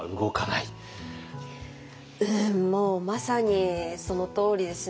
もうまさにそのとおりですね。